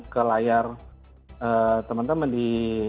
ke layar teman teman di